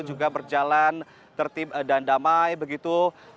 juga berjalan tertib dan damai begitu